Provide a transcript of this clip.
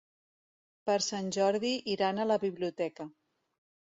Per Sant Jordi iran a la biblioteca.